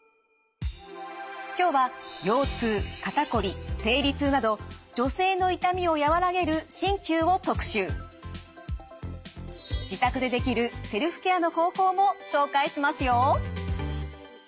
今日は腰痛肩こり生理痛など自宅でできるセルフケアの方法も紹介しますよ。